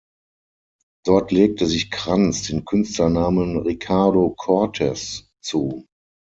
Dort legte sich Krantz den Künstlernamen Ricardo Cortez zu.